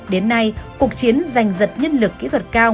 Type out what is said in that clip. đến nay cuộc chiến giành giật nhân lực kỹ thuật cao